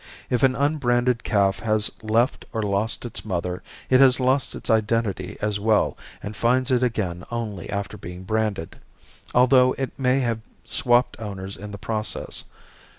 If an unbranded calf has left or lost its mother it has lost its identity as well and finds it again only after being branded, although it may have swapped owners in the process.